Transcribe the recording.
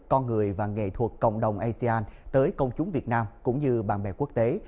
con người và nghệ thuật cộng đồng asean tới công chúng việt nam cũng như bạn bè quốc tế